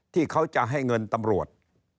ที่เขาจะให้เงินตำรวจ